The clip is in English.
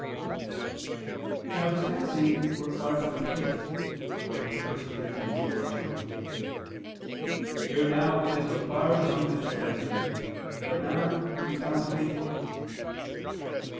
Now dispensing requires good faith, according to 1 Cor. 4:2, "Here now it is required among the dispensers that a man be found faithful."